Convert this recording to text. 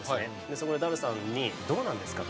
そこでダルさんにどうなんですか？と。